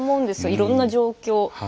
いろんな状況。